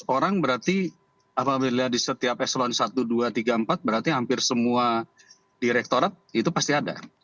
lima belas orang berarti apabila di setiap eselon satu dua tiga empat berarti hampir semua direktorat itu pasti ada